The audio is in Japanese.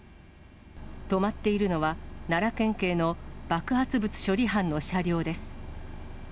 止まっているのは、奈良県警の爆発物処理班の車両です。